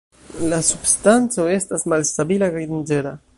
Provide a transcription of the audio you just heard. La substanco estas malstabila kaj danĝera.